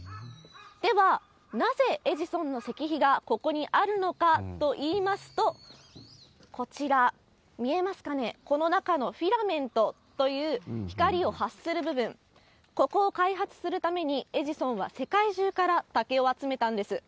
では、なぜエジソンの石碑がここにあるのかといいますと、こちら、見えますかね、この中のフィラメントという光を発する部分、ここを開発するために、エジソンは世界中から竹を集めたんです。